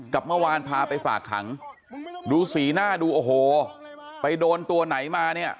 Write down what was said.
กับเมื่อวานพาไปฝากขังดูสีหน้าดูโอ้โหไปโดนตัวไหนมาเนี่ย